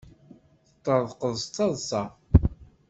Teṭṭerḍqeḍ d taḍsa.